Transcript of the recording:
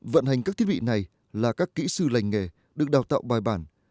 vận hành các thiết bị này là các kỹ sư lành nghề được đào tạo bài bản